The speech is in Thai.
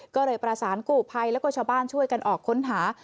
ก็เลยประสานกู้ภัยแล้วก็ชาวบ้านช่วยกันออกค้นหา